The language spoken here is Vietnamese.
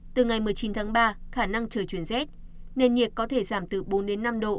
từ ngày một mươi chín tháng ba khả năng trời chuyển rét nền nhiệt có thể giảm từ bốn đến năm độ